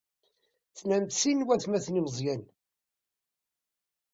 Tlamt sin n waytmaten imeẓyanen.